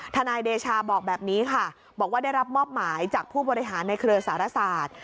นายเดชาบอกแบบนี้ค่ะบอกว่าได้รับมอบหมายจากผู้บริหารในเครือสารศาสตร์